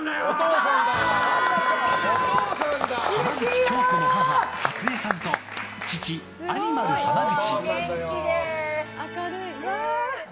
浜口京子の母・初枝さんと父・アニマル浜口。